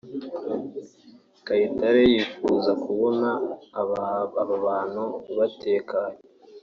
Kayitare yifuza kubona abantu abantu batekanye